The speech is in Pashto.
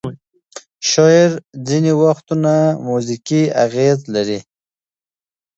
شعر ځینې وختونه موزیکي اغیز لري.